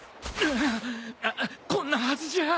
こんなはずじゃ。